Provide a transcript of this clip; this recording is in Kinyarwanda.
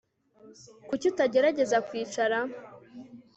Kuki utagerageza kwicara